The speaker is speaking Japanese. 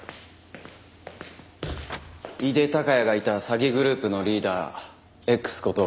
井手孝也がいた詐欺グループのリーダーＸこと